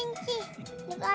kan gak sendirian